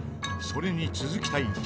それに続きたい